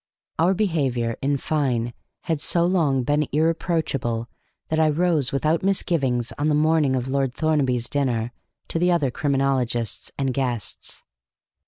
Our behavior, in fine, had so long been irreproachable that I rose without misgiving on the morning of Lord Thornaby's dinner to the other Criminologists and guests.